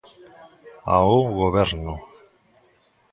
Ao Goberno.